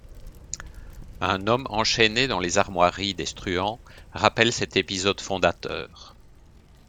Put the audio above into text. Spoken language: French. Un homme enchaîné dans les armoiries des Struan rappelle cet épisode fondateur.